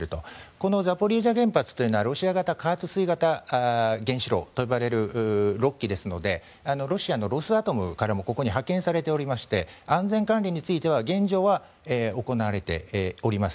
このザポリージャ原発というのはロシア型加圧水型原子炉と呼ばれる６基ですのでロシアのロスアトムからもここに派遣されておりまして安全管理については現状は行われております。